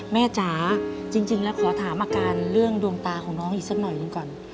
จ๋าจริงแล้วขอถามอาการเรื่องดวงตาของน้องอีกสักหน่อยหนึ่งก่อน